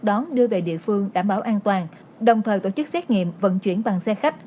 đón đưa về địa phương đảm bảo an toàn đồng thời tổ chức xét nghiệm vận chuyển bằng xe khách